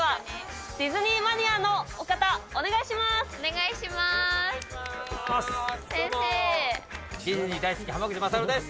ディズニーマニアのお方、お願いします！